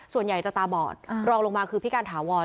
ส่วนใหญ่จะตาบอดรองลงมาคือพี่การถาวร